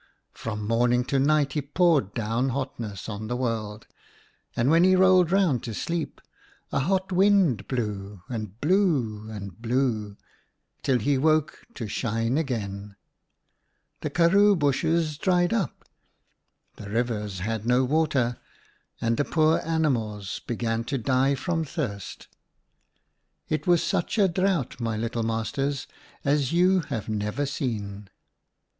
From morning to night he poured down hotness on the world, and when he rolled round to sleep, a hot wind blew — and blew — and blew — till he woke to shine again. The karroo bushes dried up, the rivers had no water, and the poor animals began to die from thirst. It was such a drought, my little masters, as you have never seen.